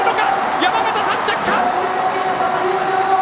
山縣、３着か。